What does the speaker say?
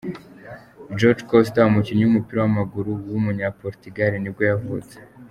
Jorge Costa, umukinnyi w’umupira w’amaguru w’umunyaportugal nibwo yavutse.